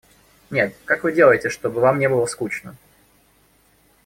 Нет, как вы делаете, чтобы вам не было скучно?